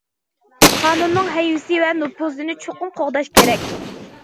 قانۇننىڭ ھەيۋىسى ۋە نوپۇزىنى چوقۇم قوغداش كېرەك.